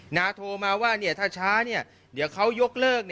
นาโทรมาว่าถ้าช้าเนี่ยเดี๋ยวเขายกเลิก